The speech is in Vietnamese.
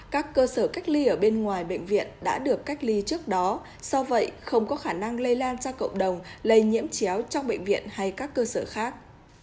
các cơ sở cách ly ở bên ngoài bệnh viện đã được cách ly trước đó do vậy không có khả năng lây lan ra cộng đồng lây nhiễm chéo trong bệnh viện hay các cơ sở khác